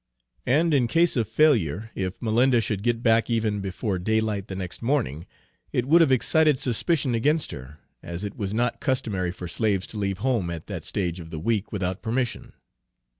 And in case of failure, if Malinda should get back even before day light the next morning, it would have excited suspicion against her, as it was not customary for slaves to leave home at that stage of the week without permission.